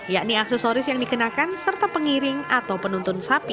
yakni aksesoris yang dikenakan serta pengiring atau penuntun sapi